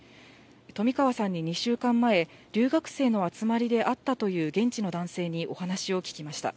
冨川さんに２週間前、留学生の集まりで会ったという現地の男性にお話を聞きました。